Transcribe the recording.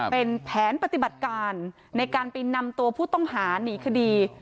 เป็นแผนปฏิบัติการในการไปนำตัวผู้ต้องหาหนีคดี